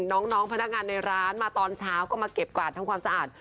น้องพนักงานในร้านมาตอนเช้าก็มาเก็บกวาดทำความสะอาด